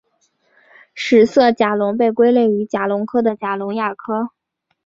史色甲龙被归类于甲龙科的甲龙亚科。